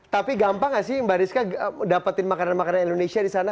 tapi gampang nggak sih mbak rizka dapatin makanan makanan indonesia disana